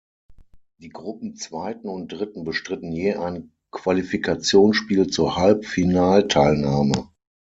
Die Gruppenzweiten und -dritten bestritten je ein Qualifikationsspiel zur Halbfinalteilnahme.